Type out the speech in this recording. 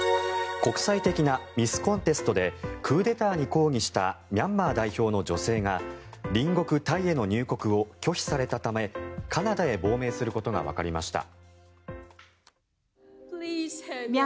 国際的なミス・コンテストでクーデターに抗議したミャンマー代表の女性が隣国タイへの入国を拒否されたためカナダへ亡命することがわかりました。